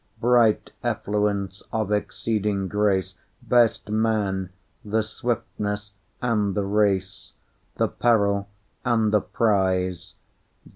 Bright effluence of exceeding grace; Best man! the swiftness and the race, The peril and the prize!